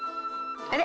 あれ？